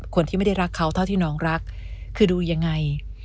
คนที่ไม่ได้รักเขาเท่าที่น้องรักคือดูยังไง